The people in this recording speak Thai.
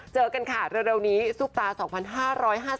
เจอกันค่ะเร็วนี้ซุปตา๒๕๕๐